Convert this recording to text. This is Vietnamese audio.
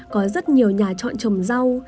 có rất nhiều nhà chọn trồng rau